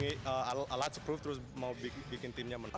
dia mau alat sepuluh terus mau bikin timnya menurut gue